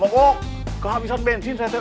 kok kehabisan bensin saya teteh